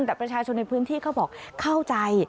แต่ประชาชนในพื้นที่เขาบอกเข้าใจ